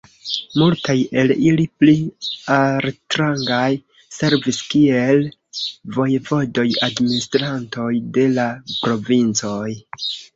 Multaj el ili, pli altrangaj, servis kiel vojevodoj, administrantoj de la provincoj.